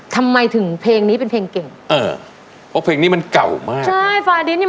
ทำไมถึงเพลงนี้เป็นเพลงเก่งเออเพราะเพลงนี้มันเก่ามาก